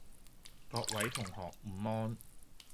各位同學午安